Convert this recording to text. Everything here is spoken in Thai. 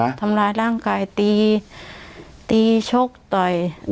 ทำร้ายร่างกายตีตีชกต่อย